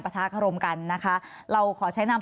ประทากรมกันนะคะเราขอใช้นาม